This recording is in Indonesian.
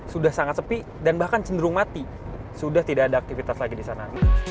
sudah sangat sepi dan bahkan cenderung mati sudah tidak ada aktivitas lagi di sana